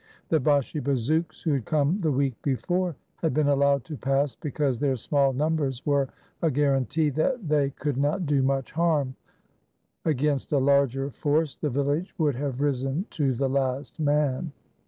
The Bashi bazouks who had come the week be fore had been allowed to pass because their small num bers were a guaranty that they could not do much harm Against a larger force, the village would have risen to the last man.